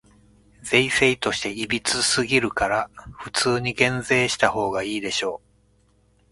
税制として歪すぎるから、普通に減税したほうがいいでしょ。